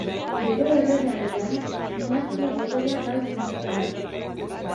Bere erregealdian, dinastia boterea galtzen hasten da.